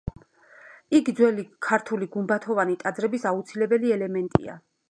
იგი ძველი ქართული გუმბათოვანი ტაძრების აუცილებელი ელემენტია.